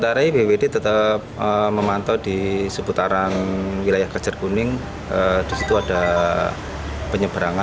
tari bwd tetap memantau di seputaran wilayah kejar kuning disitu ada penyebaran